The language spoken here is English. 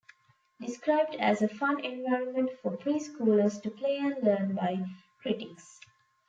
Described as a 'fun environment for pre-schoolers to play and learn' by critics.